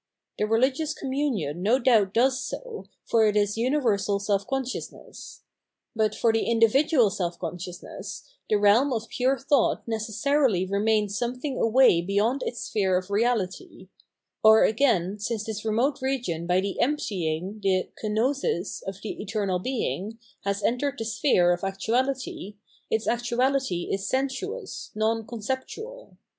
The religious communion no doubt does so, for it is universal self consciousness. But for the individual self consciousness the realm of pure thought necessarily remains something away beyond its sphere of reality ; or, again, since this remote region by the emptying, the "kenosis," of the eternal Being, has entered the sphere of actuahty, its actuality is sensuous, non conceptual.